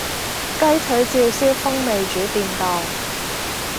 雞腿照燒風味煮便當